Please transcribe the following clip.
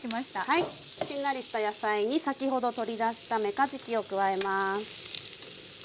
はいしんなりした野菜に先ほど取り出しためかじきを加えます。